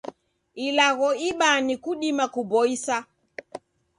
Ilagho mbaa ni kudima kuboisa